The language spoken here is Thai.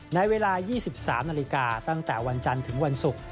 ในเวลา๒๓นาฬิกาตั้งแต่วันจันทร์ถึงวันศุกร์